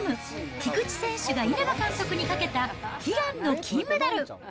菊池選手が稲葉監督にかけた悲願の金メダル。